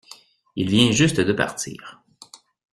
Il vient juste de partir.